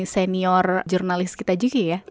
senior jurnalis kita jiki ya